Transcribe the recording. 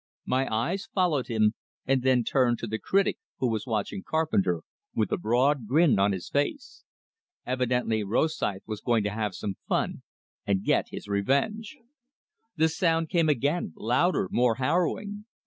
My eyes followed him, and then turned to the critic, who was watching Carpenter, with a broad grin on his face. Evidently Rosythe was going to have some fun, and get his revenge! The sound came again louder, more harrowing.